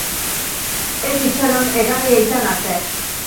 Ez itxaron egarria izan arte.